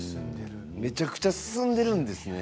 めちゃくちゃ進んでいるんですね。